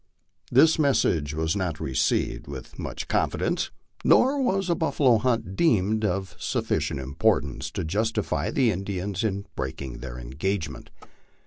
This message \vas not received with much confidence, nor 24 MY LIFE ON THE PLAINS. was a buffalo hunt deemed of sufficient importance to justify the Indians in breaking their engagement.